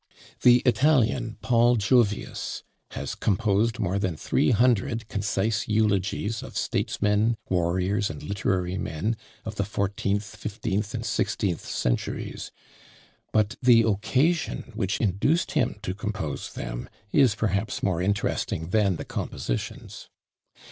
The Italian, Paul Jovius, has composed more than three hundred concise eulogies of statesmen, warriors, and literary men, of the fourteenth, fifteenth, and sixteenth centuries; but the occasion which induced him to compose them is perhaps more interesting than the compositions.